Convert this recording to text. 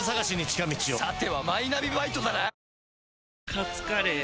カツカレー？